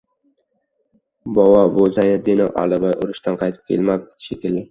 — Bova, bu Zayniddinov Aliboy urushdan qaytib kelmab edi shekilli?